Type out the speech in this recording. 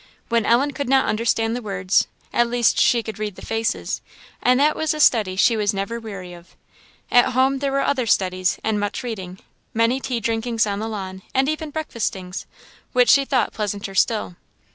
When Ellen could not understand the words, at least she could read the faces; and that was a study she was never weary of. At home there were other studies and much reading; many tea drinkings on the lawn, and even breakfastings, which she thought pleasanter still.